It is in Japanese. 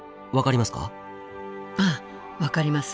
ああ分かります。